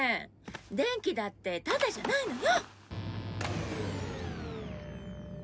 電気だってタダじゃないのよ。